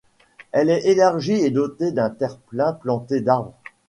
Elle est élargie et dotée d'un terre-plein planté d'arbres.